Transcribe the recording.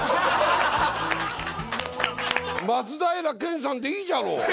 松平健さんでいいじゃろう。